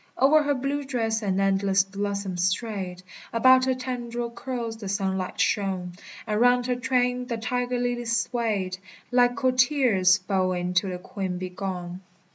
O'er her blue dress an endless blossom strayed; About her tendril curls the sunlight shone; And round her train the tiger lilies swayed, Like courtiers bowing till the queen be gone.